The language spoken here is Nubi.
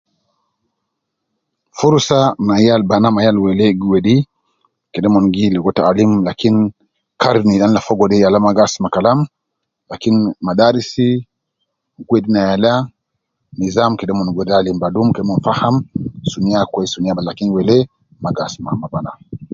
Furusa ma yal banana ma yal welee gi wedi kede umon gi ligo taalin, lakin Karni al Ina fogo de yala maa gi asuma Kalam, Lakin madaris gi wedi na yala nizam kede umon wede alimu badum kede umon faham sunu ya batal sunu ya kweis, lakin wele ma gi asuma ma bana.